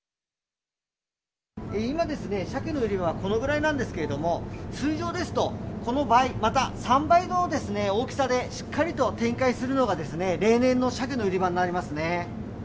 今ですね、サケの売り場はこのぐらいなんですけども、通常ですと、この倍、また３倍の大きさで、しっかりと展開するのが例年のサケの売り場になりますね。